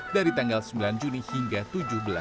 dari tanggal sembilan juni hingga tujuh belas